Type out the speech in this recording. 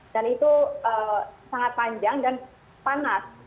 dan itu sangat panjang dan panas